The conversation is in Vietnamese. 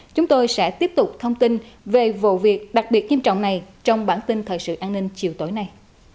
chúng tôi sẽ tiếp tục thông tin về vụ việc đặc biệt nghiêm trọng này trong bản tin thời sự an ninh chiều tối nay